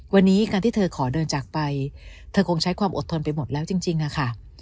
วันนี้การที่เธอขอเดินจากไปเธอคงใช้ความอดทนไปหมดแล้วจริงอะค่ะ